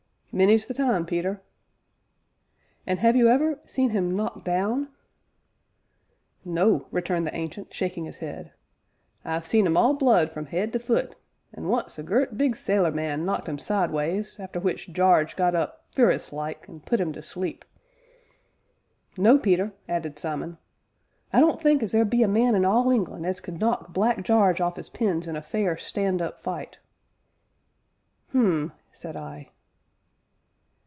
"Many's the time, Peter." "And have you ever seen him knocked down?" "No," returned the Ancient, shaking his head, "I've seed 'im all blood from 'ead to foot, an' once a gert, big sailor man knocked 'im sideways, arter which Jarge got fu'rus like, an' put 'im to sleep " "No, Peter!" added Simon, "I don't think as there be a man in all England as could knock Black Jarge off 'is pins in a fair, stand up fight." "Hum!" said I.